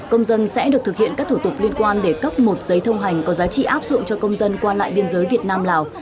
công dân sẽ được thực hiện các thủ tục liên quan để cấp một giấy thông hành có giá trị áp dụng cho công dân qua lại biên giới việt nam lào